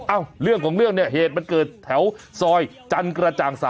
เรื่องของเรื่องเนี่ยเหตุมันเกิดแถวซอยจันกระจ่าง๓